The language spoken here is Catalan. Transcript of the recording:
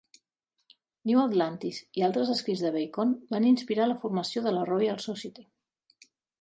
"New Atlantis" i altres escrits de Bacon van inspirar la formació de la Royal Society.